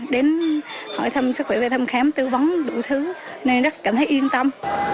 đến hỏi thăm sức khỏe về thăm khám tư vấn đủ thứ nên rất cảm thấy yên tâm